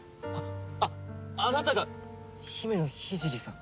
あっあなたが姫野聖さん？